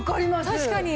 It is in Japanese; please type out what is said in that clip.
確かに。